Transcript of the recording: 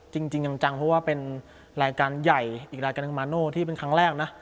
จริงจังเพราะว่าเป็นรายการใหญ่อีกรายการหนึ่งมาโน่ที่เป็นครั้งแรกนะ